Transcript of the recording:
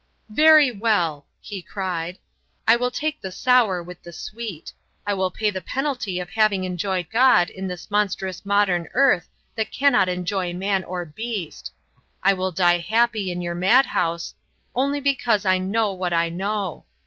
"Very well," he cried; "I will take the sour with the sweet. I will pay the penalty of having enjoyed God in this monstrous modern earth that cannot enjoy man or beast. I will die happy in your madhouse, only because I know what I know.